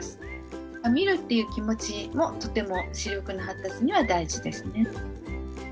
「見る」っていう気持ちもとても視力の発達には大事ですね。